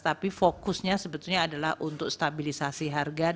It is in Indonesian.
tapi fokusnya sebetulnya adalah untuk stabilisasi harga